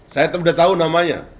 saya sudah tahu namanya